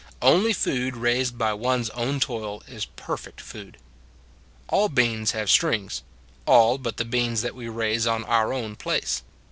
Only food raised by one s own toil is perfect food. All beans have strings all but the beans that we raise on our own place.